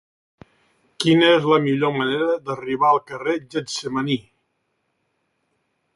Quina és la millor manera d'arribar al carrer de Getsemaní?